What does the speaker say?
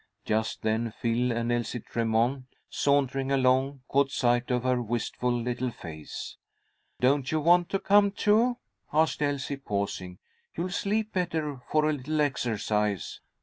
Just then, Phil and Elsie Tremont, sauntering along, caught sight of her wistful little face. "Don't you want to come too?" asked Elsie, pausing. "You'll sleep better for a little exercise."